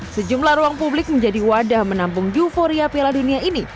sejumlah ruang publik menjadi wadah menampung euforia piala dunia ini